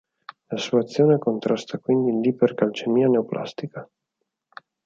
La sua azione contrasta quindi l'ipercalcemia neoplastica.